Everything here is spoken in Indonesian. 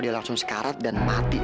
dia langsung sekarat dan mati